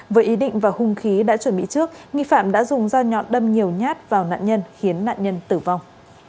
với ý định và hung khí đã chuẩn bị trước nghi phạm đã dùng dao nhọn đâm nhiều nhát vào nạn nhân khiến nạn nhân tử vong